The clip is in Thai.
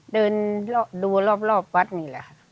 เดินดูรอบวัดนี่แหละค่ะ